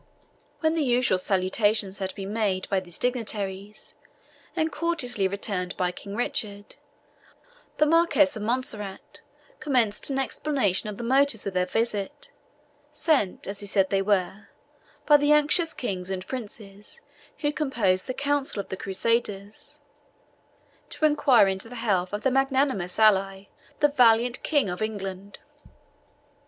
When the usual salutations had been made by these dignitaries, and courteously returned by King Richard, the Marquis of Montserrat commenced an explanation of the motives of their visit, sent, as he said they were, by the anxious kings and princes who composed the Council of the Crusaders, "to inquire into the health of their magnanimous ally, the valiant King of England."